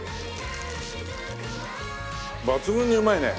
抜群にうまいね。